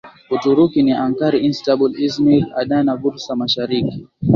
Uturuki ni Ankara Istanbul Izmir Adana Bursa Mashariki